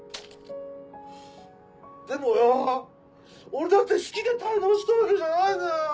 でもよ俺だって好きで滞納したわけじゃないんだよ。